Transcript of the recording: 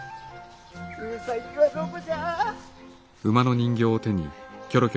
うさぎはどこじゃ？